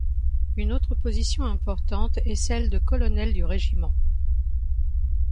Une autre position importante est celle de colonel du régiment.